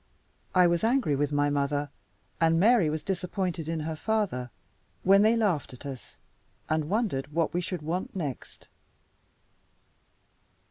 I was angry with my mother, and Mary was disappointed in her father, when they laughed at us, and wondered what we should want next.